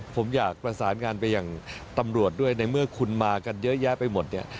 ผมอยากประสานงานไปอย่างตำรวจด้วยในเมื่อคุณมากันเยอะแยะไปหมดเนี่ย